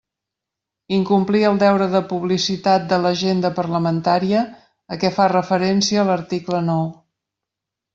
Incomplir el deure de publicitat de l'agenda parlamentària a què fa referència l'article nou.